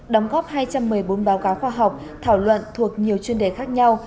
đóng góp hai trăm một mươi bốn báo cáo khoa học thảo luận thuộc nhiều chuyên đề khác nhau